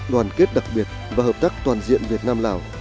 đoàn kết đặc biệt và hợp tác toàn diện việt nam lào